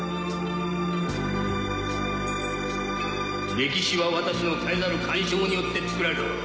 歴史は私の絶えざる干渉によって創られたのだ。